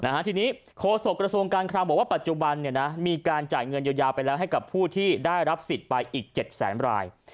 ทีนี้โฆษกระทรวงการคลังบอกว่าปัจจุบันเนี่ยนะมีการจ่ายเงินเยียวยาไปแล้วให้กับผู้ที่ได้รับสิทธิ์ไปอีกเจ็ดแสนราย